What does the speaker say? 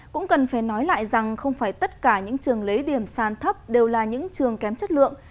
cũng cần phải nói lại rằng không phải tất cả những trường lấy điểm sàn thấp đều là những trường kém chất lượng